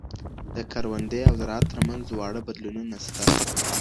د کروندې او زراعت ترمنځ واړه بدلونونه سته.